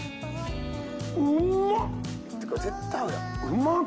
うまっ！